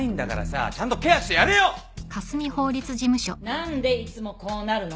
何でいつもこうなるの？